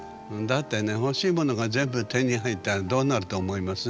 だってね欲しいものが全部手に入ったらどうなると思います？